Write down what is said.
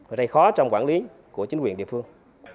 ở đây khó trong quản lý của chính quyền địa phương